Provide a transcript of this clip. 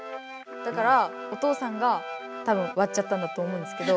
だからお父さんがたぶんわっちゃったんだと思うんですけど。